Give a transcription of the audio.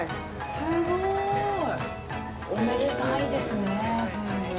すごい。おめでたいですね。